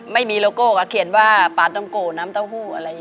ไม่มีโลโก้ก็เขียนว่าปลาต้องโกน้ำเต้าหู้อะไรอย่างนี้